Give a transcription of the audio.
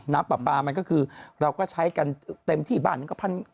น้ำปลาปลามันก็คือเราก็ใช้กันเต็มที่บ้านมันก็พัน